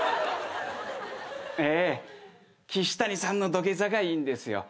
ええ岸谷さんの土下座がいいんですよ。